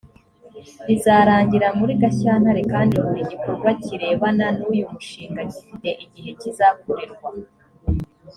bizarangira muri gashyantare kandi buri gikorwa kirebana n uyu mushinga gifite igihe kizakorerwa